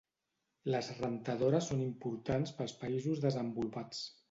Les rentadores són importants pels països desenvolupats.